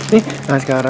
yaudah aku mandi dulu ya